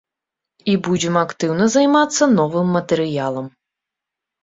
І будзем актыўна займацца новым матэрыялам.